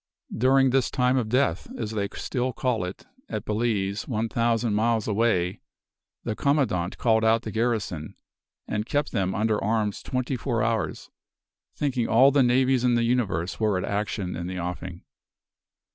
"During this time of death, as they still call it, at Balize, one thousand miles away, the commandant called out the garrison, and kept them under arms twenty four hours, thinking all the navies in the universe were at action in the offing.